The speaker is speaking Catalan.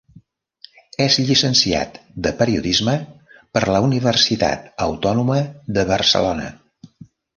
És llicenciat de periodisme per la Universitat Autònoma de Barcelona.